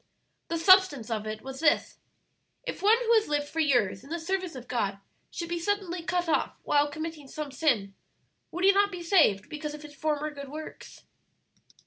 The substance of it was this: 'If one who has lived for years in the service of God should be suddenly cut off while committing some sin, would he not be saved, because of his former good works?'"